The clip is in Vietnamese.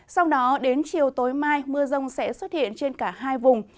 sau đó đến chiều tối mai mưa rông sẽ xuất hiện trên cả hai vùng